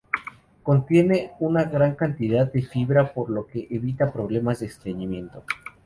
Contiene una gran cantidad de fibra por lo que evita problemas de estreñimiento.